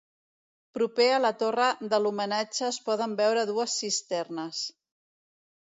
Proper a la torre de l'homenatge es poden veure dues cisternes.